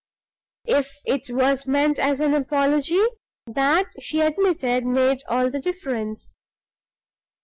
If it was meant as an apology, that, she admitted, made all the difference.